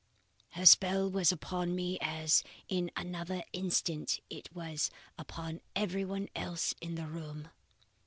Her spell was upon me as in another instant it was upon everyone else in the room.